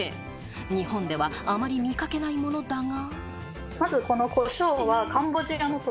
日本ではあまり見掛けないものだが。